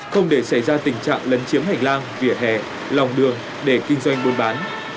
không để xảy ra tình trạng lấn chiếm hành lang vỉa hè lòng đường để kinh doanh buôn bán